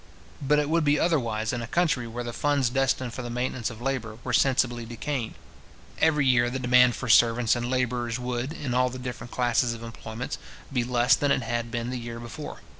But it would be otherwise in a country where the funds destined for the maintenance of labour were sensibly decaying. Every year the demand for servants and labourers would, in all the different classes of employments, be less than it had been the year before.